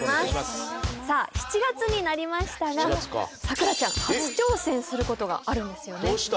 さあ７月になりましたがさくらちゃん初挑戦することがあるんですよね？